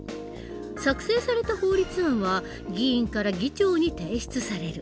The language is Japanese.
作成された法律案は議員から議長に提出される。